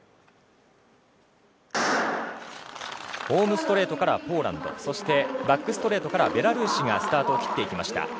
ホームストレートからポーランドバックストレートからベラルーシがスタートを切っていきました。